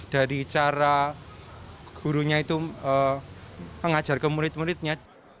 dari cara gurunya itu mengajar ke murid muridnya